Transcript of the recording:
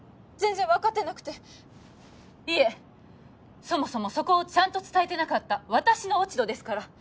全然分かってなくていえそもそもそこをちゃんと伝えてなかった私の落ち度ですから